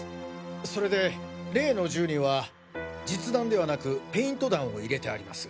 それで例の銃には実弾ではなくペイント弾を入れてあります。